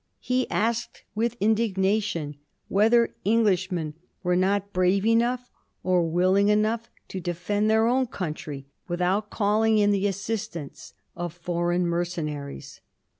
He asked with indignation whether Eng lishmen were not brave enough or willing enough to defend their own country without calling in the assistance of foreign mercenaries.